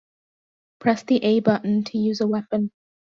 Press the A button to use a weapon.